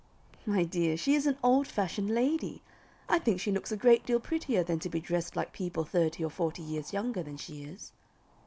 "My dear, she is an old fashioned lady. I think she looks a great deal prettier than to be dressed like people thirty or forty years younger than she is."